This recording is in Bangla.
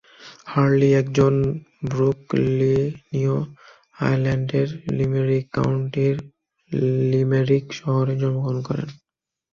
হারলি, একজন ব্রুকলিনীয়, আয়ারল্যান্ডের লিমেরিক কাউন্টির লিমেরিক শহরে জন্মগ্রহণ করেন।